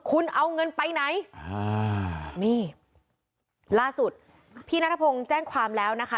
คุณเอาเงินไปไหนอ่านี่ล่าสุดพี่นัทพงศ์แจ้งความแล้วนะคะ